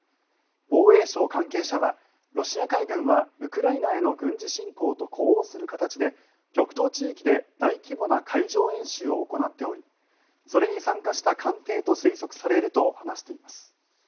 防衛省関係者はロシア海軍はウクライナへの軍事侵攻と呼応する形で極東地域で大規模な海上演習を行っておりそれに参加した艦艇と推測されると話しています。